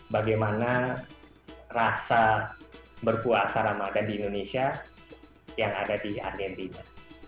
bagaimana rasa berpuasa ramadan di indonesia yang ada di argentina